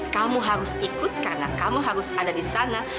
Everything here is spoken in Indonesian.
kamu harus ikut karena kamu harus ada di sana